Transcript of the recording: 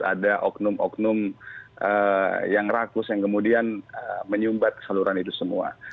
ada oknum oknum yang rakus yang kemudian menyumbat saluran itu semua